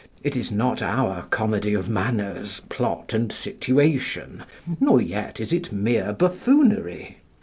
It is not our comedy of manners, plot, and situation; nor yet is it mere buffoonery.